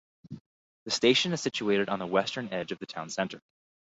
The station is situated on the western edge of the town centre.